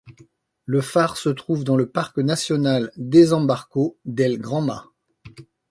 Le phare se trouve dans le Parc national Desembarco del Granma.